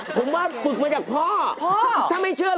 ผมว่าฝึกมาจากพ่อ